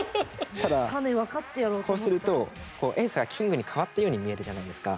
ただこうするとエースがキングに変わったように見えるじゃないですか。